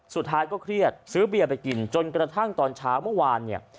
สุดท้ายก็เครียดซื้อเบียร์ไปกินจนกระทั่งตอนเช้าเมื่อวานเนี่ย